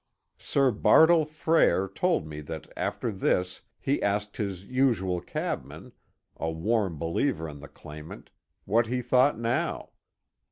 Sir Bartle Frere told me that after this he asked his usual cabman, a warm believer in the claimant, what he thought now?